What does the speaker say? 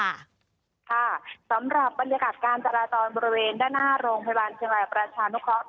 ค่ะสำหรับบรรยากาศการจราจรบริเวณด้านหน้าโรงพยาบาลเชียงรายประชานุเคราะห์